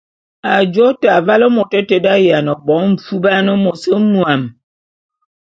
Ajô te, avale môt éte d’aye bo mfuban môs mwuam.